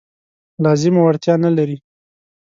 لازمه وړتیا نه لري.